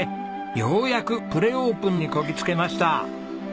ようやくプレオープンにこぎ着けました。